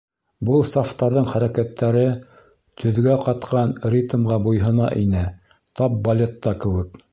Был сафтарҙың хәрәкәттәре төҙгә ҡатҡан ритмға бойһона ине, тап балетта кеүек.